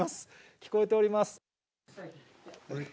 聞こえております。